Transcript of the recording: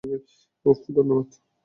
উফ, ধন্যবাদ।